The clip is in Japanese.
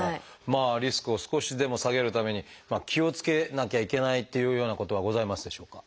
まあリスクを少しでも下げるために気をつけなきゃいけないっていうようなことはございますでしょうか？